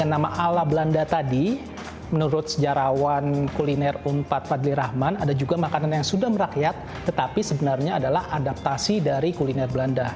nama ala belanda tadi menurut sejarawan kuliner unpad fadli rahman ada juga makanan yang sudah merakyat tetapi sebenarnya adalah adaptasi dari kuliner belanda